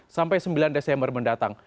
sampai sembilan desember mendatang